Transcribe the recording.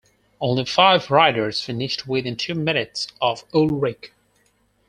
Only five riders finished within two minutes of Ullrich.